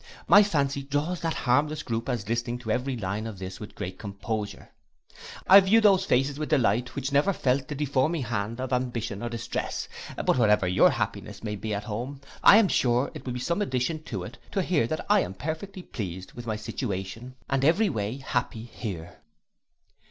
My fancy draws that harmless groupe as listening to every line of this with great composure. I view those faces with delight which never felt the deforming hand of ambition or distress! But whatever your happiness may be at home, I am sure it will be some addition to it, to hear that I am perfectly pleased with my situation, and every way happy here.